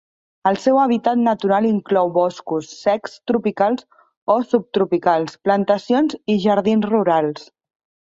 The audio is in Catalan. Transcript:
El seu hàbitat natural inclou boscos secs tropicals o subtropicals, plantacions i jardins rurals.